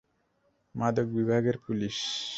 মাদক বিভাগের পুলিশ।